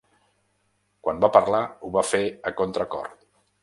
Quan va parlar, ho va fer a contracor.